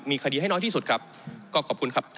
มีคดีให้น้อยที่สุดครับก็ขอบคุณครับ